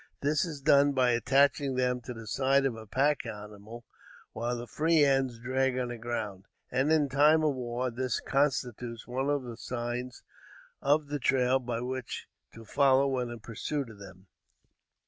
This is done by attaching them to the sides of the pack animals while the free ends drag on the ground, and in time of war this constitutes one of the signs of the trail by which to follow when in pursuit of them.